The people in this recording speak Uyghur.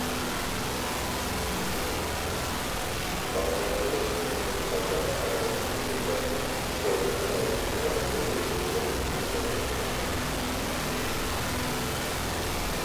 ماڭغانىدۇق ئىككىمىز تاغلار ئارا جۇدۇندا، تولۇن ئاي گۇۋاھ بولدى يۈرەكتىكى سېغىنىشقا.